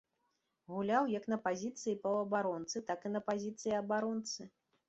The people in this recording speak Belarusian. Гуляў як на пазіцыі паўабаронцы, так і на пазіцыі абаронцы.